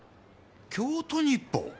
京都日報！？